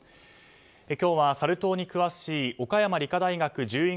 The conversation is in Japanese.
今日はサル痘に詳しい岡山理科大学獣医